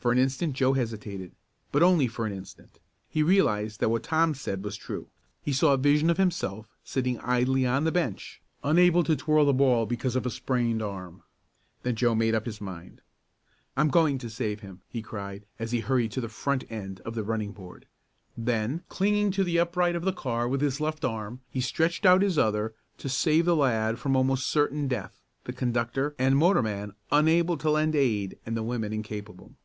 For an instant Joe hesitated, but only for an instant. He realized that what Tom said was true. He saw a vision of himself sitting idly on the bench, unable to twirl the ball because of a sprained arm. Then Joe made up his mind. "I'm going to save him!" he cried as he hurried to the front end of the running board. Then, clinging to the upright of the car with his left arm, he stretched out his other to save the lad from almost certain death, the conductor and motorman unable to lend aid and the women incapable.